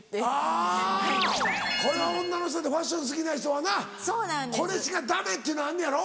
あぁこれは女の人でファッション好きな人はな。これしかダメっていうのあんのやろ？